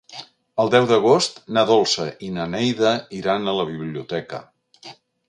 El deu d'agost na Dolça i na Neida iran a la biblioteca.